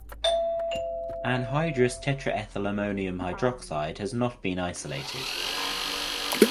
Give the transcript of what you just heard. Anhydrous Tetraethylammonium hydroxide has not been isolated.